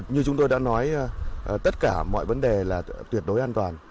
như chúng tôi đã nói tất cả mọi vấn đề là tuyệt đối an toàn